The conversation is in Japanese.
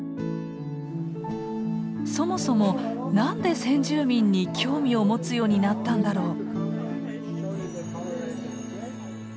そもそも何で先住民に興味を持つようになったんだろう？